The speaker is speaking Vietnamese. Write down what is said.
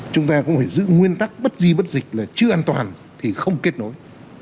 chúng ta cũng phải giữ nguyên tắc bất di bất dịch là chưa an toàn thì không kết nối